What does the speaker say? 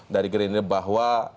dari gerindir bahwa